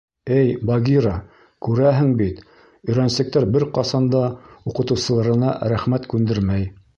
Эй, Багира, күрәһең бит, өйрәнсектәр бер ҡасан да уҡытыусыларына рәхмәт күндермәй.